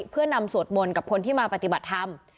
เพื่อนำสวดมนต์กับคนที่มาปฏิบัติธรรม